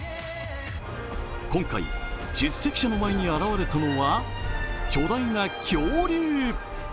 今回、出席者の前に現れたのは巨大な恐竜。